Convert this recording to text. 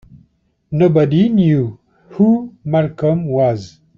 Nobody knew who Malcolm was.